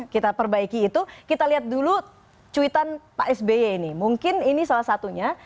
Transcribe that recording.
kita perbaiki itu kita lihat dulu cuitan pak sby ini mungkin ini salah satunya